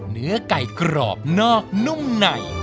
เนื้อไก่กรอบนอกนุ่มใน